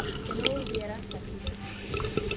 que no hubierais partido